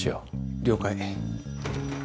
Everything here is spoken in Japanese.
了解。